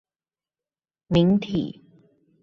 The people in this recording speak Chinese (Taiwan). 明體